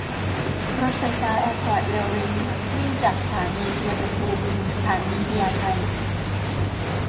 รถไฟฟ้าแอร์พอร์ตเรลลิงก์วิ่งจากสถานีสุวรรณภูมิถึงสถานีพญาไท